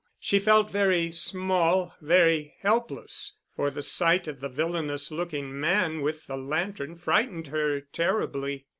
She felt very small, very helpless, for the sight of the villainous looking man with the lantern frightened her terribly.